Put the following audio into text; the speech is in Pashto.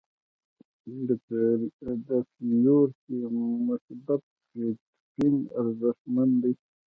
فیور کې مثبت فیډبک ارزښتمن دی.